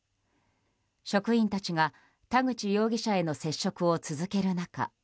職員たちが田口容疑者への接触を続ける中